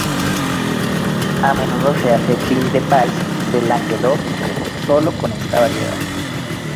A menudo se hace "vin de pays" de Languedoc solo con esta variedad.